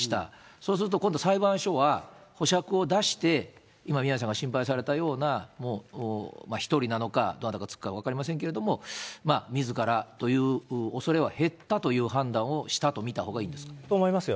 そうすると、今度、裁判所は保釈を出して、今、宮根さんが心配されたような、もう、１人なのか、誰かつくか分かりませんけど、みずからというおそれは減ったという判断をしたと見たほうがいいと思いますよ。